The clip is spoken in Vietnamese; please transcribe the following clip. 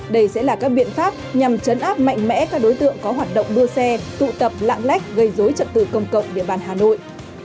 đây sẽ là các biện pháp nhằm chấn áp mạnh mẽ các đối tượng có hoạt động đua xe tụ tập lạng lách gây dối trật tự công cộng địa bàn hà nội